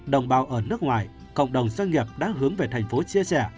đồng bào ở nước ngoài cộng đồng doanh nghiệp đang hướng về tp chia sẻ